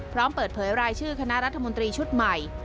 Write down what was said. พร้อมเปิดเผยรายชื่อคณะรัฐมนตรีชุดใหม่